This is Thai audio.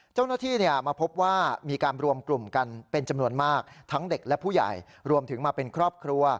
เจ้าหน้าที่มาพบว่ามีการรวมกลุ่มกันเป็นจำนวนมากทั้งเด็กและผู้ใหญ่รวมถึงมาเป็นครอบครัว